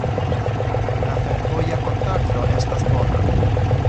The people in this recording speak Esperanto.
La fervoja kontakto estas bona.